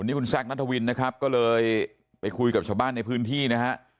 นี่คุณแซคนัทวินนะครับก็เลยไปคุยกับชาวบ้านในพื้นที่นะฮะ